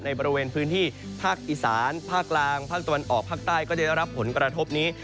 บริเวณพื้นที่ภาคอีสานภาคกลางภาคตะวันออกภาคใต้ก็ได้รับผลกระทบนี้